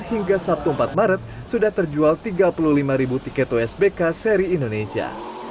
hingga sabtu empat maret sudah terjual tiga puluh lima tiket usb kseri indonesia